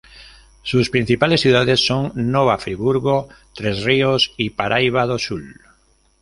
Sus principales ciudades son Nova Friburgo, Três Rios y Paraíba do Sul.